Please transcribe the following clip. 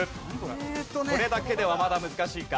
これだけではまだ難しいか？